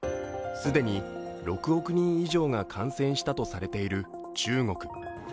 既に６億人以上が感染したとされている中国。